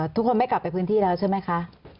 ทุกคนไม่กลับไปพื้นที่แล้วใช่ไหมคะ